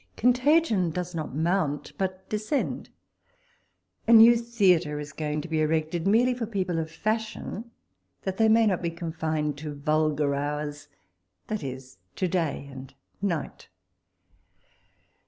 Contagion does not mount, but descend. A new theatre is going to be erected merely for people of fashion, that they may not be confined to vulgar hours — that is, to day or night.